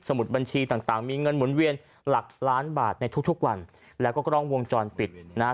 มุดบัญชีต่างต่างมีเงินหมุนเวียนหลักล้านบาทในทุกทุกวันแล้วก็กล้องวงจรปิดนะฮะ